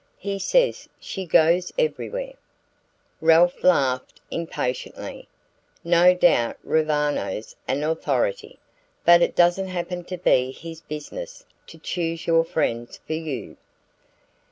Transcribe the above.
He says she goes everywhere." Ralph laughed impatiently. "No doubt Roviano's an authority; but it doesn't happen to be his business to choose your friends for you."